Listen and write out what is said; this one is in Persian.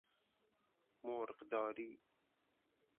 مرغ داری